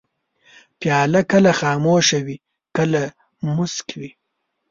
پیاله کله خاموشه وي، کله موسک وي.